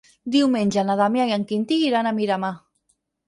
Diumenge na Damià i en Quintí iran a Miramar.